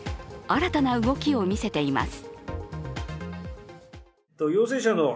新たな動きを見せています。